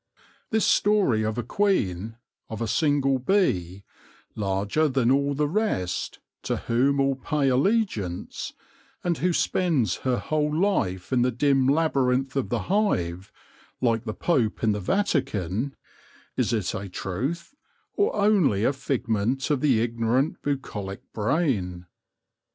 This story of a queen — of a single bee, larger than all the rest, to whom all pay allegiance, and who spends her whole life in the dim labyrinth of the hive, like the Pope in the Vatican — is it a truth, or only a figment of the ignorant, bucolic brain